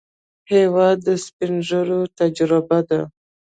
هېواد د سپینږیرو تجربه ده.